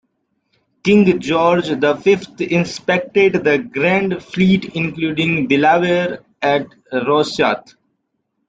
King George the Fifth inspected the Grand Fleet, including "Delaware", at Rosyth.